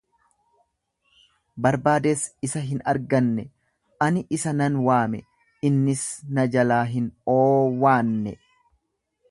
barbaadees isa hin arganne; ani isa nan waame, innis na jalaa hin oowwaanne.